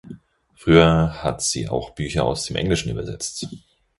Früher hat sie auch Bücher aus dem Englischen übersetzt.